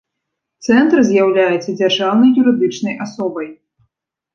Цэнтр з'яўляецца дзяржаўнай юрыдычнай асобай.